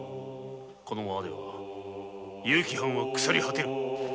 このままでは結城藩は腐り果てる！